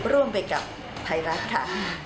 ร่วมไปกับไทยรัฐค่ะ